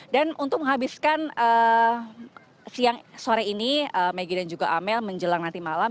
dan untuk menghabiskan siang sore ini maggie dan juga amel menjelang nanti malam